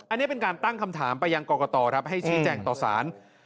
อันนี้เป็นการตั้งคำถามไปยังกรกตครับให้ชี้แจงต่อสาร